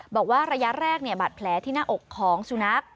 บอกว่าระยะแรกบาดแผลที่หน้าอกของสุนัข